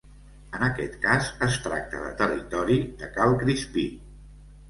En aquest cas es tracta de territori de Cal Crispí.